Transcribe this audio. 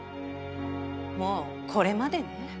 もうこれまでね。